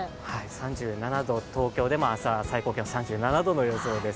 ３７度、東京でも朝最高気温３７度の予想です。